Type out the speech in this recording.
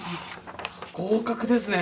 合格ですね！